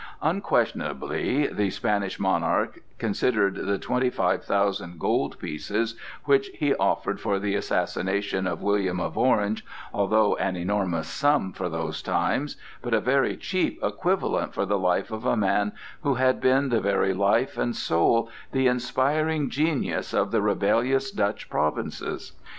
Unquestionably the Spanish monarch considered the twenty five thousand gold pieces which he offered for the assassination of William of Orange, although an enormous sum for those times, but a very cheap equivalent for the life of a man who had been the very life and soul, the inspiring genius of the rebellious Dutch provinces.